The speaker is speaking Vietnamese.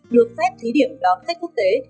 được phép thí điểm đón khách quốc tế